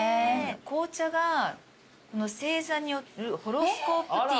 紅茶が星座ホロスコープティー。